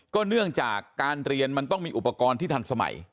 เนื่องจากการเรียนมันต้องมีอุปกรณ์ที่ทันสมัย